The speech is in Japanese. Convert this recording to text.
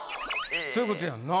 そういうことやんな。